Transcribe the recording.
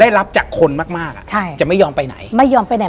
รับจากคนมากมากอ่ะใช่จะไม่ยอมไปไหนไม่ยอมไปไหน